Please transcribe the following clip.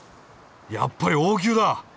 やっぱり王宮だ。